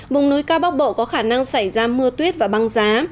vùng núi cao bắc bộ có khả năng xảy ra mưa tuyết và băng giá